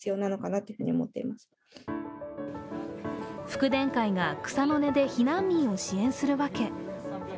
福田会が草の根で避難民を支援する訳。